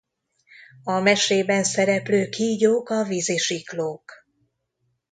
A mesében szereplő kígyók a vízisiklók.